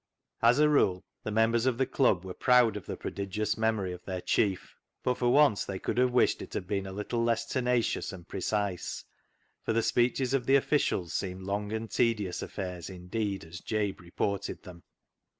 As a rule the members of the Club were proud of the prodigious memory of their chief, but for once they could have wished it had been a little less tenacious and precise, for the speeches of the officials seemed long and tedious affairs indeed as Jabe reported them.